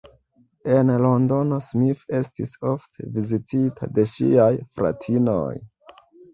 En Londono, Smith estis ofte vizitita de ŝiaj fratinoj.